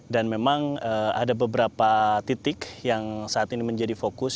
dan memang ada beberapa titik yang saat ini menjadi fokus